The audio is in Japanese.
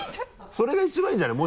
それが一番いいんじゃない？